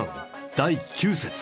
第９節。